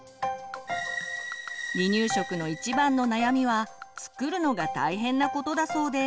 離乳食の一番の悩みは作るのが大変なことだそうです。